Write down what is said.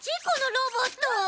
このロボット。